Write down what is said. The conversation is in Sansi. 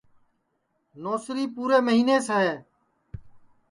نوسری پُورے مہینس ہے